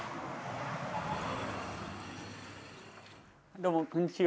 どうもこんにちは。